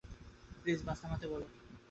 Please bus থামাতে বলো।